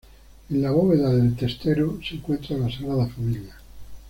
En la bóveda del testero se encuentra la Sagrada Familia.